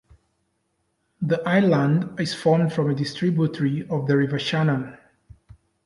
The island is formed from a distributary of the River Shannon.